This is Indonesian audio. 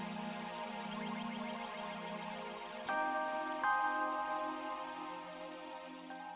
sampai jumpa di video selanjutnya